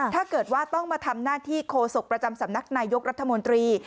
ถ้าเกิดว่าต้องมาทำหน้าที่โคศกประจำสำนักนายกรัฐมนตรี